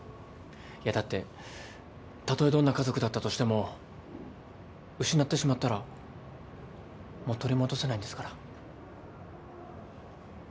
いやだってたとえどんな家族だったとしても失ってしまったらもう取り戻せないんですから。